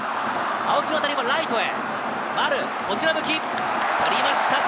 青木の当たりはライトへ！